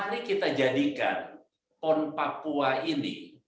mari kita jadikan pon papua ini